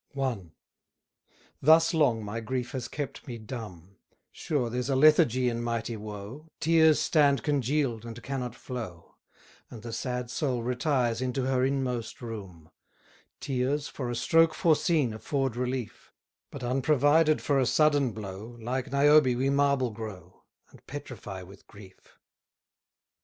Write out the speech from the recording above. Thus long my grief has kept me dumb: Sure there's a lethargy in mighty woe, Tears stand congeal'd, and cannot flow; And the sad soul retires into her inmost room: Tears, for a stroke foreseen, afford relief; But, unprovided for a sudden blow, Like Niobe we marble grow; And petrify with grief.